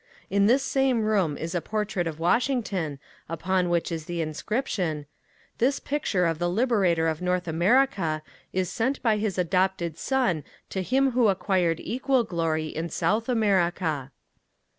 In this same room is a portrait of Washington upon which is the inscription: "This picture of the liberator of North America is sent by his adopted son to him who acquired equal glory in South America."